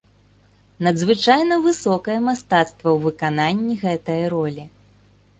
Надзвычайна высокае мастацтва ў выкананні гэтае ролі.